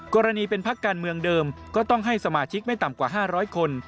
กรณีเป็นพักการเมืองเดิมก็ต้องให้สมาชิกไม่ต่ำกว่า๕๐๐คน